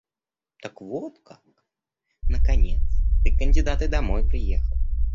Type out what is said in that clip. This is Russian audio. Так вот как, наконец ты кандидат и домой приехал.